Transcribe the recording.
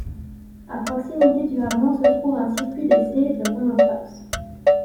À proximité du hameau, se trouve un circuit d'essais de Renault Trucks.